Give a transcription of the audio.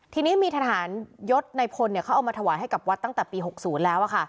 ทีนี้มีทหารยศในพลเขาเอามาถวายให้กับวัดตั้งแต่ปี๖๐แล้ว